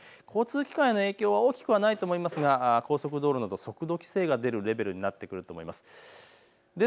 交通機関への影響は大きくはないと思いますが高速道路など速度規制が出るレベルになってくると思います。